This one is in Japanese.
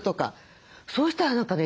そうしたら何かね